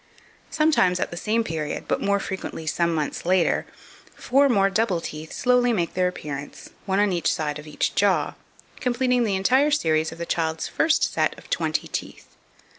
Sometimes at the same period, but more frequently some months later, four more double teeth slowly make their appearance, one on each side of each jaw, completing the entire series of the child's first set of twenty teeth.